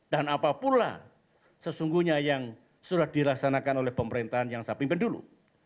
dan apapun sesungguhnya yang sudah dilaksanakan oleh pemerintahan yang saya pimpin dulu